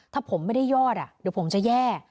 ถ้าผมไม่ได้ยอดเดี๋ยวผมจะแย่